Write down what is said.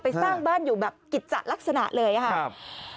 สร้างบ้านอยู่แบบกิจจะลักษณะเลยครับ